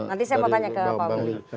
nanti saya mau tanya ke pak willy